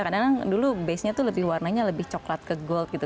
kadang kadang dulu base nya tuh lebih warnanya lebih coklat ke gold gitu